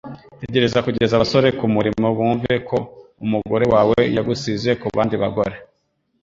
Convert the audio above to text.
Tegereza kugeza abasore kumurimo bumve ko umugore wawe yagusize kubandi bagore.